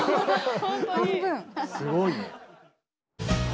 すごいね。